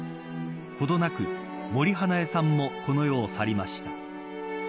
ほどなく、森英恵さんもこの世を去りました。